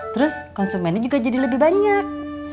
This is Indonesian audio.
terus konsumennya juga jadi lebih banyak